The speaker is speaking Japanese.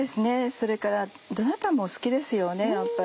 それからどなたも好きですよね。